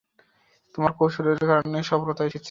তোমার কৌশলের কারণে সাফলতা এসেছে।